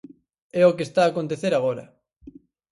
É o que está a acontecer agora.